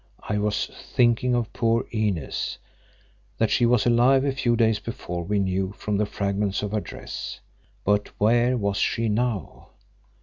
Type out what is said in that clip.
I was thinking of poor Inez. That she was alive a few days before we knew from the fragments of her dress. But where was she now?